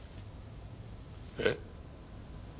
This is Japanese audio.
えっ？